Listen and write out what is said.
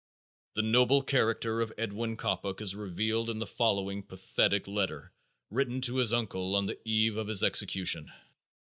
The noble character of Edwin Coppock is revealed in the following pathetic letter written to his uncle on the eve of his execution.